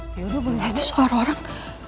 yaudah boleh ngeliat suara orang